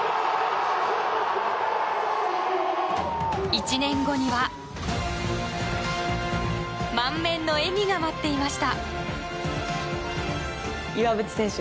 １年後には満面の笑みが待っていました。